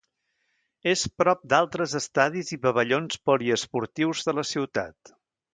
És prop d'altres estadis i pavellons poliesportius de la ciutat.